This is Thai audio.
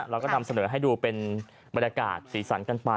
เราก็นำเสนอให้ดูเป็นบรรยากาศสีสันกันไป